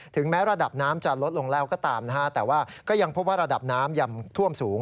แม้ระดับน้ำจะลดลงแล้วก็ตามนะฮะแต่ว่าก็ยังพบว่าระดับน้ำยังท่วมสูง